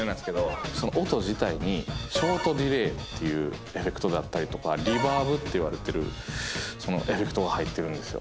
その音自体にショートディレイっていうエフェクトであったりとかリバーブっていわれてるエフェクトが入ってるんですよ。